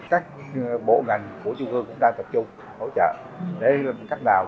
các bộ ngành của chung cương cũng đang tập trung hỗ trợ để làm cách nào